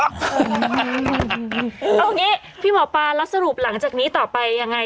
เอาอย่างนี้พี่หมอปลาแล้วสรุปหลังจากนี้ต่อไปยังไง